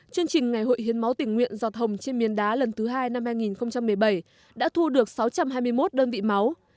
chương trình ngày hội hiến máu tình nguyện giọt hồng trên miền đá lần thứ hai năm hai nghìn một mươi bảy đã thu được sáu trăm hai mươi một đơn vị máu